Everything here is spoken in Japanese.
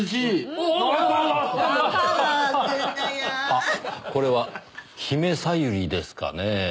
あっこれは姫小百合ですかねぇ？